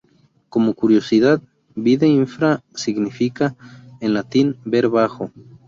Como curiosidad, "Vide Infra" significa en latín "Ver abajo".